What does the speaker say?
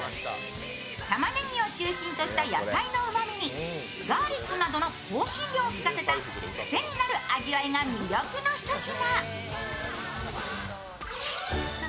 たまねぎを中心とした野菜のうまみにガーリックなどの香辛料をきかせたクセになる味わいが魅力の一品。